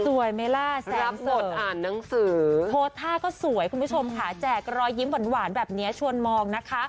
สวยไหมล่ะแซมเสิร์โทษท่าก็สวยคุณผู้ชมค่ะแจกรอยยิ้มหวานแบบนี้ชวนมองนะคะ